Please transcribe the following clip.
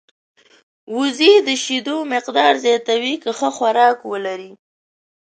وزې د شیدو مقدار زیاتوي که ښه خوراک ولري